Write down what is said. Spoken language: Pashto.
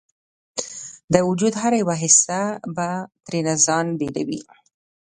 د وجود هره یوه حصه به ترېنه ځان بیلوي